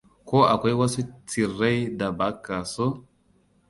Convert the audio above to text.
Ko akwai wasu tsirrai da baka so?